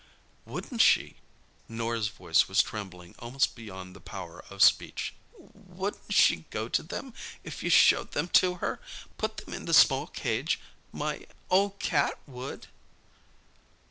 "Wouldn't she—" Norah's voice was trembling almost beyond the power of speech—"wouldn't she go to them if you showed them to her—put them in the small cage? My—old cat would!"